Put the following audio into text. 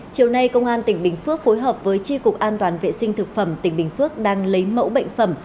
chiều nay công an tỉnh bình phước phối hợp với tri cục an toàn vệ sinh thực phẩm tỉnh bình phước đang lấy mẫu bệnh phẩm